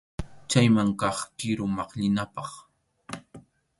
Chayman kaq kiru maqllinapaq.